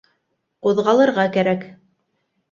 - Ҡуҙғалырға кәрәк.